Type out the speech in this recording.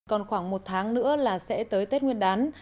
còn khoảng một tháng nữa là sẽ tới tết nguyên đán